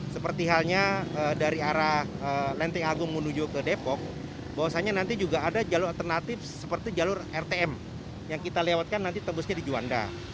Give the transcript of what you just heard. seperti halnya dari arah lenteng agung menuju ke depok bahwasannya nanti juga ada jalur alternatif seperti jalur rtm yang kita lewatkan nanti tebusnya di juanda